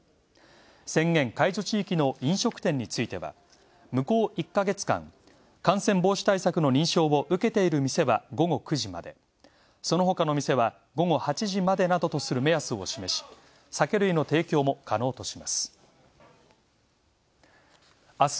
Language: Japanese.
宣言解除地域の飲食店についてはむこう１か月間、感染防止対策の認証を受けている店は午後９時まで、その他の店は午後８時までなどとする目安を示し、酒類の提供も可能とします。